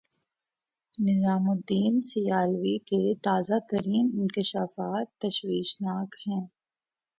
نظام الدین سیالوی کے تازہ ترین انکشافات تشویشناک ہیں۔